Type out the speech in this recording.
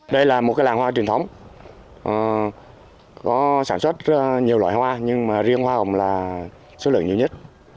đây là một cái làng hoa truyền thống có sản xuất nhiều loại hoa nhưng mà riêng hoa hồng là số lượng nhiều nhất